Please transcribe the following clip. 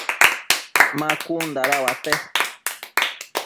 ma cun dada uate ?